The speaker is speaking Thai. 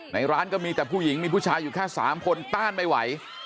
ในร้านก็มีแต่ผู้หญิงมีผู้ชายอยู่แค่๓คนต้านไม่ไหว